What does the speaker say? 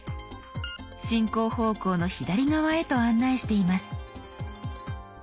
進行方向の左側へと案内しています。